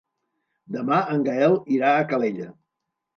Demà en Gaël irà a Calella.